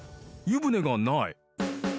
湯船がない。